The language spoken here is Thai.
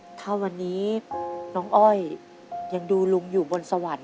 ถ้าวันนี้น้องอ้อยยังดูลุงอยู่บนสวรรค์